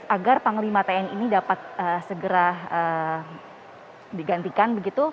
agar pengalimat tni ini dapat segera digantikan begitu